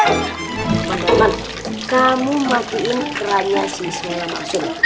luqman kamu matiin kerannya si ismail sama asun